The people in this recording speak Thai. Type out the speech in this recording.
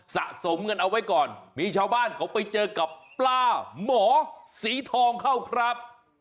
สะสมกันเอาไว้ก่อนมีชาวบ้านเขาไปเจอกับปลาหมอสีทองเข้าครับ